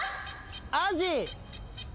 アジ。